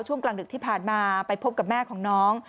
ช่วงกลางดึกที่ผ่านมาไปพบกับแม่ของน้อง